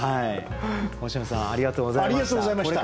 星野さんありがとうございました。